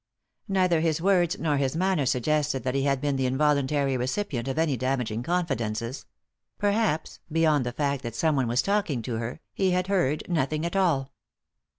Neither his words nor his manner suggested that he had been the involuntary recipient of any damaging confi dences ; perhaps, beyond the tact that someone was talking to her, he had heard nothing at all.